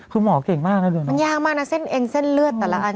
คือหมอเก่งมากนะมันยากมากนะเส้นเองเส้นเลือดแต่ละอัน